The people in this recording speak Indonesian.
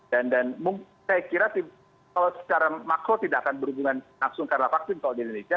dan saya kira kalau secara makro tidak akan berhubungan langsung karena vaksin kalau di indonesia